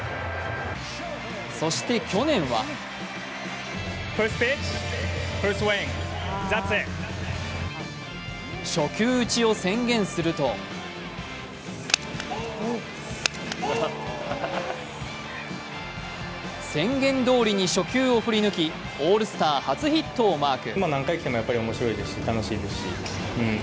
そして去年は初球打ちを宣言すると宣言どおりに初球を振り抜き、オールスター初ヒットをマーク。